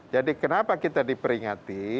jadi kenapa kita diperingati